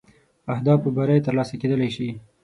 اهدافو بری تر لاسه کېدلای شي.